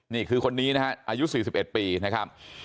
นี่คือคนนี้นะฮะอายุ๔๑ปีนะครับ